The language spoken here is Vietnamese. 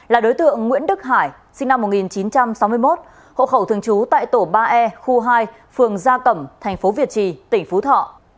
là đối tượng nguyễn đức hải sinh năm một nghìn chín trăm sáu mươi một hộ khẩu thường trú tại tổ ba e khu hai phường gia cẩm thành phố việt trì tỉnh phú thọ